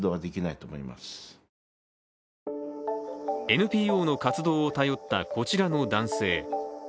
ＮＰＯの活動を頼った、こちらの男性。